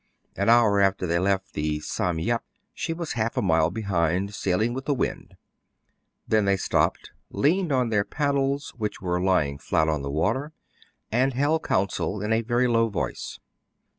An hour after they left the "Sam Yep," she was half a mile behind, sailing with the wind. Then they stopped, leaned on their paddles, which were lying flat on the water, and held council in a very low voice.